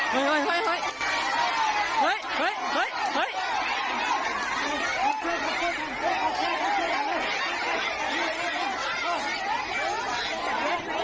เศษนุนแม่บ